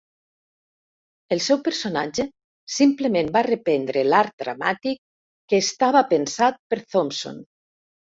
El seu personatge simplement va reprendre l'arc dramàtic que estava pensat per Thompson.